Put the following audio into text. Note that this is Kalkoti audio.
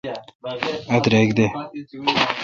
اؘ درک دے۔